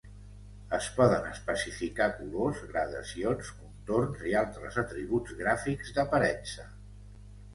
Es poden especificar colors, gradacions, contorns, i altres atributs gràfics d'aparença.